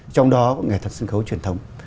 trong đó có nghệ thuật sân khấu truyền thống